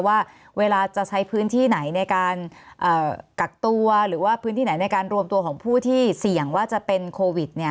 ว่าเวลาจะใช้พื้นที่ไหนในการกักตัวหรือว่าพื้นที่ไหนในการรวมตัวของผู้ที่เสี่ยงว่าจะเป็นโควิด